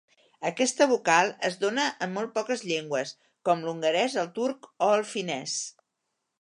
Aquesta vocal es dóna en molt poques llengües, com l'hongarès, el turc o el finès.